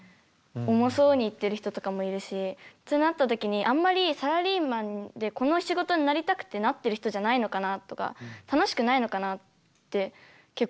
重そうに行っている人とかもいるしってなった時にあんまりサラリーマンでこの仕事になりたくてなってる人じゃないのかなとか楽しくないのかなって結構思うから。